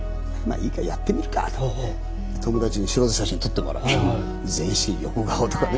いいかやってみるかと友達に写真撮ってもらって全身横顔とかね